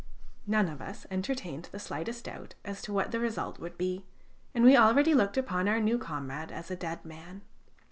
None of us entertained the slightest doubt as to what the result would be, and we already looked upon our new comrade as a dead man.